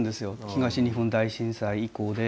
東日本大震災以降で。